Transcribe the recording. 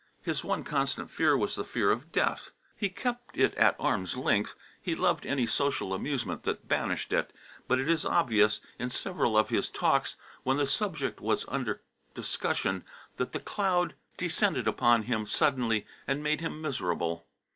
His one constant fear was the fear of death. He kept it at arm's length, he loved any social amusement that banished it, but it is obvious, in several of his talks, when the subject was under discussion, that the cloud descended upon him suddenly and made him miserable.